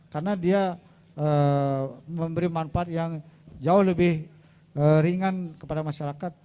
karena dia memberi manfaat yang jauh lebih ringan kepada masyarakat